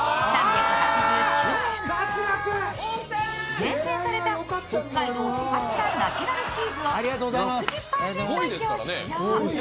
厳選された北海道十勝産ナチュラルチーズを６０％以上使用。